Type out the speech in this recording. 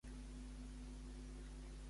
Què ha explicat Fedorets?